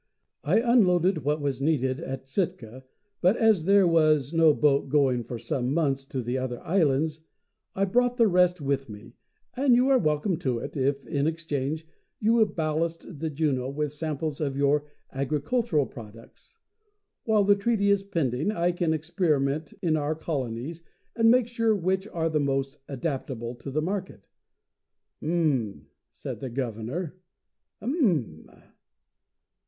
I unloaded what was needed at Sitka, but as there was no boat going for some months to the other islands, I brought the rest with me, and you are welcome to it, if in exchange you will ballast the Juno with samples of your agricultural products; while the treaty is pending, I can experiment in our colonies and make sure which are the most adaptable to the market. "Um!" said the Governor. "Um!"